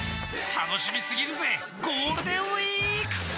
たのしみすぎるぜゴールデーンウィーーーーーク！